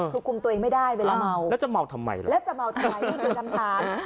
คือคุมตัวไม่ได้เวลาเมาและจะเมาทำไมและจะเมาทำไมนั่นคือคำถาม